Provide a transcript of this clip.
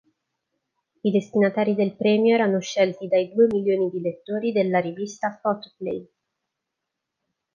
I destinatari del premio erano scelti dai due milioni di lettori della rivista "Photoplay".